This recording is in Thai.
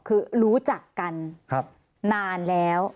คือรู้จักกันนานแล้ว